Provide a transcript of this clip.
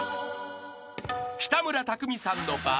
［北村匠海さんの場合］